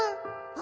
「あ！」